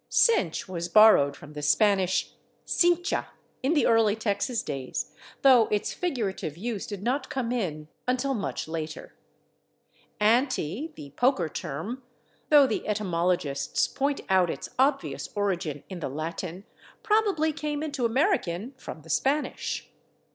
/Cinch/ was borrowed from the Spanish /cincha/ in the early Texas days, though its figurative use did not come in until much later. /Ante/, the poker term, though the etymologists point out its obvious origin in the Latin, probably came into American from the Spanish.